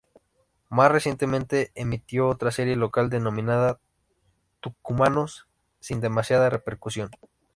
Más recientemente, emitió otra serie local denominada "Tucumanos", sin demasiada repercusión.